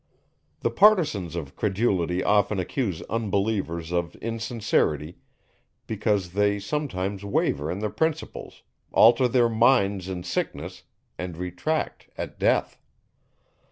The partisans of credulity often accuse unbelievers of insincerity, because they sometimes waver in their principles, alter their minds in sickness, and retract at death.